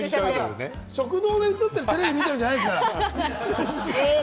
食堂でテレビ見ているんじゃないですから！